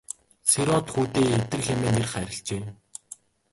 Сэр-Од хүүдээ Идэр хэмээн нэр хайрлажээ.